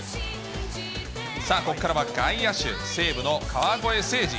さあ、ここからは外野手、西武の川越誠司。